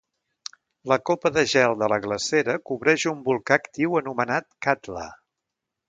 La capa de gel de la glacera cobreix un volcà actiu anomenat Katla.